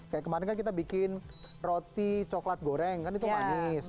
kayak kemarin kan kita bikin roti coklat goreng kan itu manis